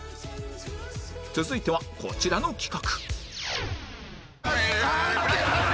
続いてはこちらの企画